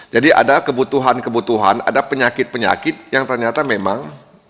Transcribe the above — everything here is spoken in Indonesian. jadi ada kebutuhan kebutuhan ada penyakit penyakit yang ternyata memang